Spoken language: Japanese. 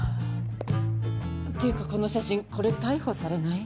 っていうかこの写真これ逮捕されない？